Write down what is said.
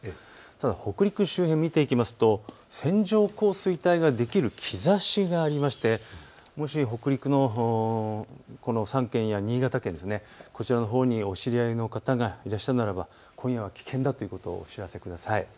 ただ北陸周辺を見ていきますと線状降水帯ができる兆しがありましてもし北陸のこの３県や新潟県、こちらのほうにお知り合いの方がいらっしゃるならば今夜は危険だということをお伝えください。